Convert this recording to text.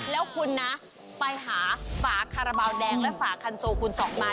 แล้วคุณนะไปหาฝาคาราบาลแดงและฝาคันโซคูณ๒มา